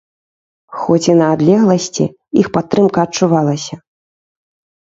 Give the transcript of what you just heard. Хоць і на адлегласці, іх падтрымка адчувалася.